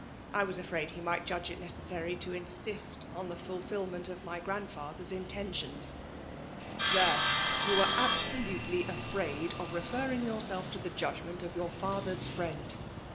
I was afraid he might judge it necessary to insist on the fulfilment of my grandfather *s inten tions." *" There ! you were absolutely afraid of re ferring yoiurself to the judgment of your father s friend